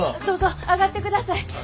どうぞ上がってください。